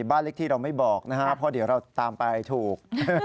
บ้านเล็กที่เราไม่บอกนะครับเพราะเดี๋ยวเราตามไปถูก